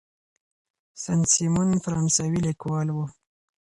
سن سیمون فرانسوي لیکوال و.